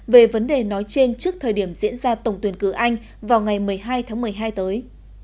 về vấn đề nói trên trước thời điểm diễn ra tổng tuyển cử anh vào ngày một mươi hai tháng một mươi hai tới